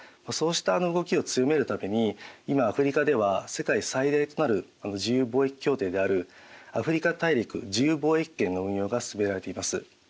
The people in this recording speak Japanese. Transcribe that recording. そうした動きを強めるために今アフリカでは世界最大となる自由貿易協定であるアフリカ大陸自由貿易圏の運用が進められています。